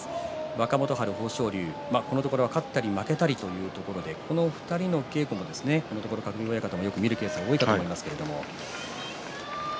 若元春、豊昇龍、このところ勝ったり負けたりというところでこの２人の稽古は鶴竜親方も見るケースが多いと思いますけれども。